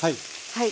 はい。